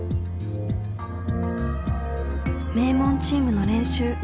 名門チームの練習。